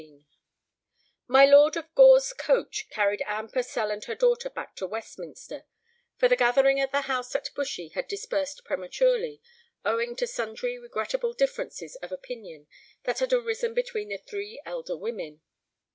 XIV My Lord of Gore's coach carried Anne Purcell and her daughter back to Westminster, for the gathering at the house at Bushy had dispersed prematurely, owing to sundry regrettable differences of opinion that had arisen between the three elder women.